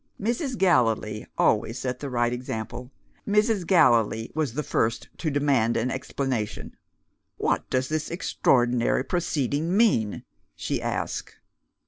Mrs. Gallilee always set the right example. Mrs. Gallilee was the first to demand an explanation. "What does this extraordinary proceeding mean?" she asked.